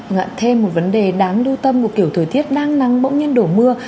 ngạn thêm một vấn đề đáng đu tâm của kiểu thời tiết đang nắng bỗng nhiên đổ mưa